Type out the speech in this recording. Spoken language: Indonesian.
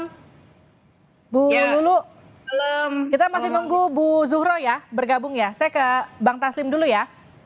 selamat malam bu luluk kita masih menunggu bu zuhro ya bergabung ya saya ke bang taslim dulu ya